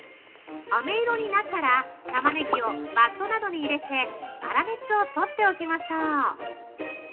飴色になったら、たまねぎをバットなどに入れて粗熱を取っておきましょう。